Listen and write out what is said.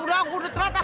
udah aku udah terlata